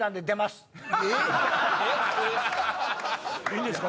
えっ⁉いいんですか？